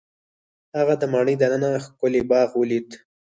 هغه د ماڼۍ دننه ښکلی باغ ولید.